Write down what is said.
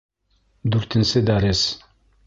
Дүртенсе дәрес